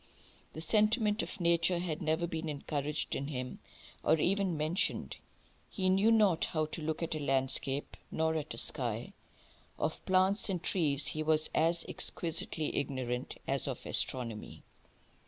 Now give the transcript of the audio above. The sentiment of nature had never been encouraged in him, or even mentioned. He knew not how to look at a landscape nor at a sky. Of plants and trees he was as exquisitely ignorant as of astronomy.